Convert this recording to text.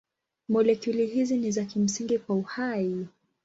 Molekuli hizi ni za kimsingi kwa uhai.